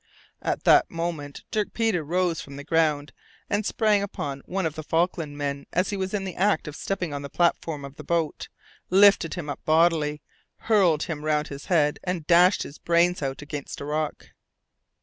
At that moment Dirk Peters rose from the ground, and sprang upon one of the Falklands men as he was in the act of stepping on the platform of the boat, lifted him up bodily, hurled him round his head and dashed his brains out against a rock.